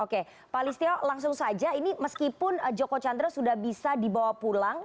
oke pak listio langsung saja ini meskipun joko chandra sudah bisa dibawa pulang